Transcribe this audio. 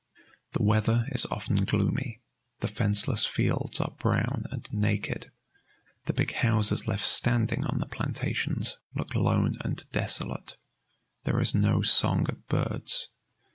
The weather is often gloomy; the fenceless fields are brown and naked; the big houses left standing on the plantations look lone and desolate. There is no song of birds.